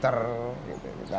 termasuk apa namanya